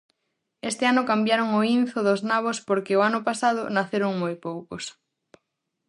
Este ano cambiaron o inzo dos nabos porque o ano pasado naceron moi poucos.